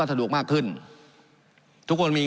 การปรับปรุงทางพื้นฐานสนามบิน